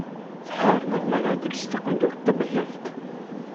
Tḥar melmi ara tels taqendurt tamellalt.